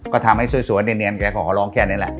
ก็ทำให้สวยเนียมแกขอร้องแค่นี้แหละ